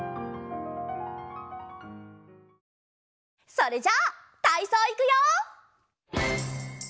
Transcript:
それじゃたいそういくよ！